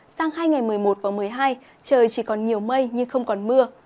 sang hai ngày một mươi một và một mươi hai trời chỉ còn nhiều mây nhưng không còn mưa